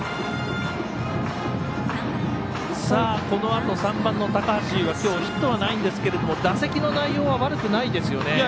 このあと、３番の高橋友はきょうヒットはないんですけれども打席の内容は悪くないですよね。